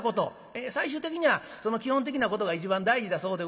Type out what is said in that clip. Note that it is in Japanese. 最終的にはその基本的なことが一番大事だそうでございます。